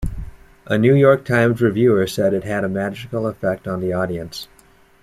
A "New York Times" reviewer said it had a "magical effect" on the audience.